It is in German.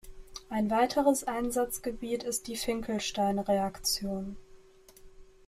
Ein weiteres Einsatzgebiet ist die Finkelstein-Reaktion.